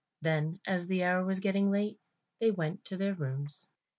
Then as the hour was getting late they went to their rooms.